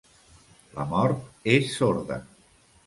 La mort és sorda.